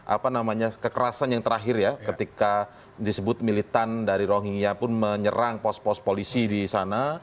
apa namanya kekerasan yang terakhir ya ketika disebut militan dari rohingya pun menyerang pos pos polisi di sana